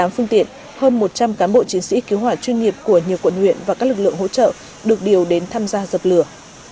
tám phương tiện hơn một trăm linh cán bộ chiến sĩ cứu hỏa chuyên nghiệp của nhiều quận huyện và các lực lượng hỗ trợ được điều đến tham gia dập lửa